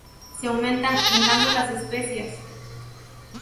Sí aumentan, en cambio, las especias.